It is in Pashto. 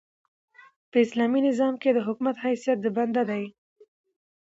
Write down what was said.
په اسلامي نظام کښي د حکومت حیثیت د بنده دئ.